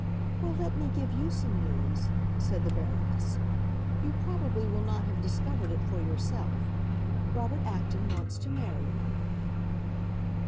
"Well, let me give you some news," said the Baroness. "You probably will not have discovered it for yourself. Robert Acton wants to marry me."